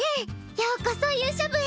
ようこそ勇者部へ。